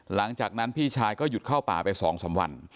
หลังจากนั้นพี่ชายก็หยุดเข้าป่าไป๒๓วัน